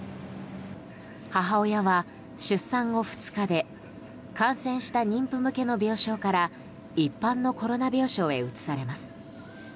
母親は、出産後２日で感染した妊婦向けの病床から一般のコロナ病床へ移されます。